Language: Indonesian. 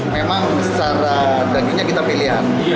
memang secara dagingnya kita pilihan